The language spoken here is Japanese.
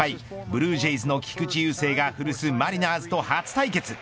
ブルージェイズの菊池雄星が古巣マリナーズと初対決。